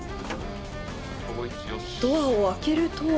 ドアを開けると。